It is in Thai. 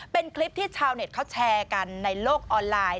เป็นคลิปที่ชาวเน็ตเขาแชร์กันในโลกออนไลน์